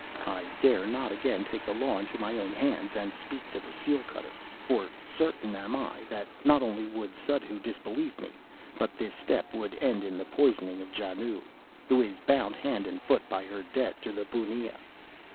I dare not again take the law into my own hands, and speak to the seal cutter; for certain am I that, not only would Suddhoo disbelieve me, but this step would end in the poisoning of Janoo, who is bound hand and foot by her debt to the bunnia.